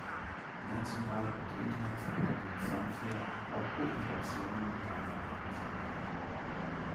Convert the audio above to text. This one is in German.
National und international ging Zamfir auch Kooperationen mit anderen Künstlern ein.